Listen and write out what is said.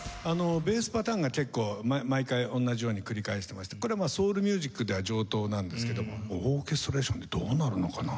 ベースパターンが結構毎回同じように繰り返していましてこれはソウルミュージックでは常套なんですけどもオーケストレーションでどうなるのかな？